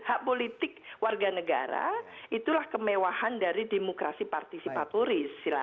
hak politik warga negara itulah kemewahan dari demokrasi partisipatoris